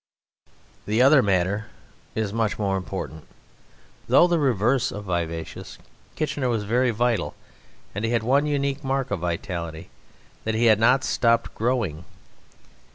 The other matter is much more important. Though the reverse of vivacious, Kitchener was very vital; and he had one unique mark of vitality that he had not stopped growing.